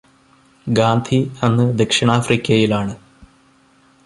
ഗാന്ധി അന്ന് ദക്ഷിണാഫ്രിക്കയിലാണ്.